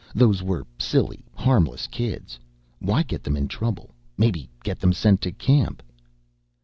Those were silly, harmless kids why get them in trouble, maybe get them sent to camp?